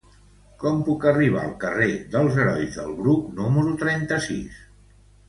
Com puc arribar al carrer dels Herois del Bruc número trenta-sis?